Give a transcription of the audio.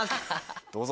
どうぞ。